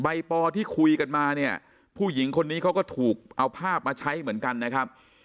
ปอที่คุยกันมาเนี่ยผู้หญิงคนนี้เขาก็ถูกเอาภาพมาใช้เหมือนกันนะครับ